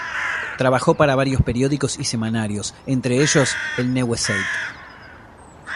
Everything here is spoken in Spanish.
Trabajó para varios periódicos y semanarios, entre ellos el "Neue Zeit".